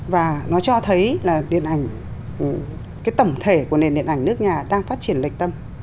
và nó cho thấy là điện ảnh cái tổng thể của nền điện ảnh nước nhà đang phát triển lệch tâm